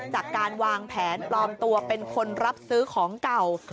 จากการวางแผนปลอมตัวเป็นคนรับซื้อของเก่า